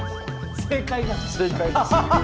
正解です。